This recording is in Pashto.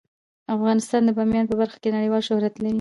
افغانستان د بامیان په برخه کې نړیوال شهرت لري.